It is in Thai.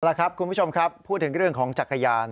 ละครับคุณผู้ชมครับพูดถึงเรื่องของจักรยาน